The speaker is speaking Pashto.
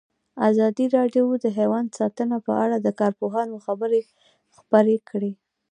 ازادي راډیو د حیوان ساتنه په اړه د کارپوهانو خبرې خپرې کړي.